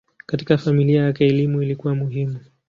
Katika familia yake elimu ilikuwa muhimu.